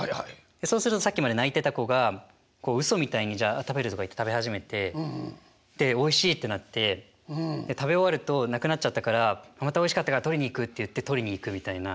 そうするとさっきまで泣いてた子がうそみたいにじゃあ食べるとか言って食べ始めてでおいしいってなって食べ終わるとなくなっちゃったからまたおいしかったから捕りに行くって言って捕りに行くみたいな。